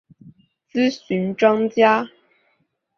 咨询专家